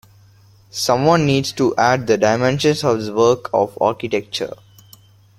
Someone needs to add the dimensions of this work of architecture.